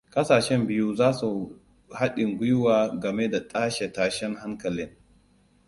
Ƙasashen biyu za su haɗin gwiwa game da tashe tashen hankalin.